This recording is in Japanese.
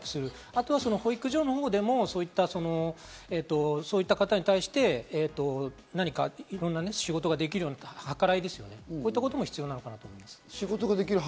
あとは保育所のほうでもそういった方に対して何かいろんな仕事ができるような計らいですね、こういったことも必要かなと思います。